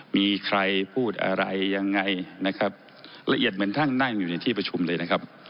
มีใครพูดอะไรยังไงนะครับละเอียดเหมือนท่านนั่งอยู่ในที่ประชุมเลยนะครับ